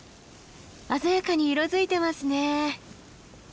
鮮やかに色づいてますね。